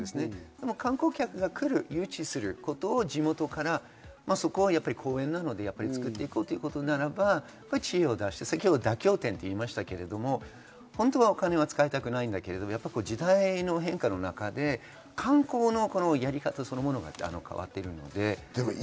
でも観光客が来る、誘致することを地元からそこは公園なので作って行こうということならば知恵を出して妥協点と言いましたけれど、本当はお金は使いたくないけれど時代の変化の中で観光のやり方そのものが変わっているので。